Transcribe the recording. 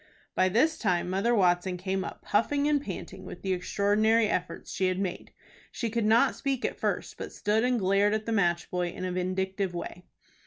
By this time Mother Watson came up, puffing and panting with the extraordinary efforts she had made She could not speak at first, but stood and glared at the match boy in a vindictive way.